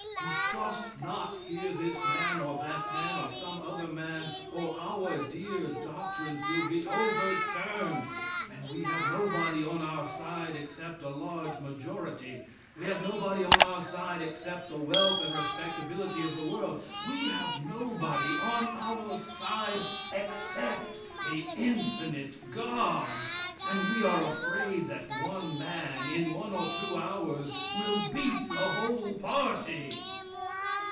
You trust not hear this man or that man or some other man, or our dear doctrines will be overturned, and we have nobody on our side except a large majority; we have nobody on our side except the wealth and respectability of the world; we have nobody on our side except the infinite God, and we are afraid that one man, in one or two hours, will beat the whole party.